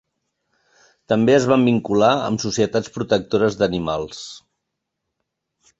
També es van vincular amb societats protectores d'animals.